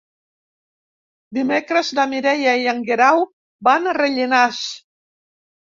Dimecres na Mireia i en Guerau van a Rellinars.